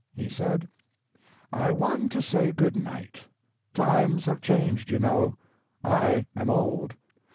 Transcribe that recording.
He said: "I want to say good night. Times have changed, you know. I am old.